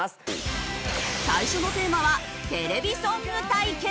最初のテーマはテレビソング対決。